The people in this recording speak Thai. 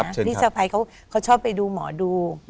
นี่สะพายเขาชอบไปดูหมอดู